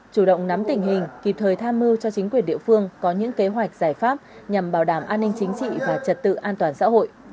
chủ động nắm tình hình kịp thời tham mưu cho chính quyền địa phương có những kế hoạch giải pháp nhằm bảo đảm an ninh chính trị và trật tự an toàn xã hội